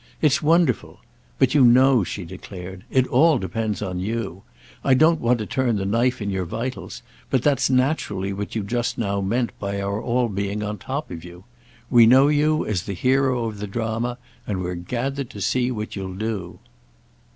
"It's wonderful! But, you know," she declared, "it all depends on you. I don't want to turn the knife in your vitals, but that's naturally what you just now meant by our all being on top of you. We know you as the hero of the drama, and we're gathered to see what you'll do."